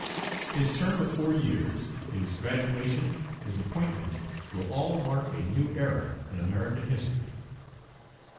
His term of four years, his graduation, his appointment, will all mark a new era in American history.